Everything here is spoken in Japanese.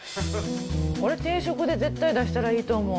これ、定食で絶対出したらいいと思う。